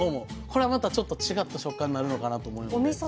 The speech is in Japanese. これはまたちょっと違った食感になるのかなと思うのでぜひ。